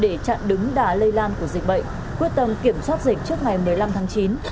để chặn đứng đà lây lan của dịch bệnh quyết tâm kiểm soát dịch trước ngày một mươi năm tháng chín